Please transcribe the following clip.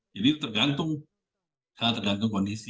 jadi itu tergantung sangat tergantung kondisi